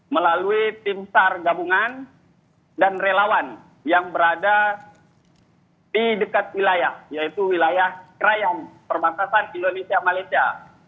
melalui tim sar gabungan dan relawan yang berada di dekat wilayah yaitu wilayah krayan perbatasan indonesia malaysia